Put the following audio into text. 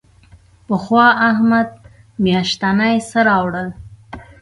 پخوا احمد میاشتنی څه راوړل.